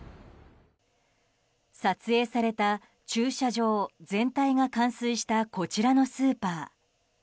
撮影された駐車場全体が冠水したこちらのスーパー。